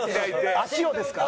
足をですか？